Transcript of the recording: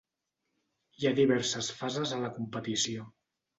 Hi ha diverses fases a la competició.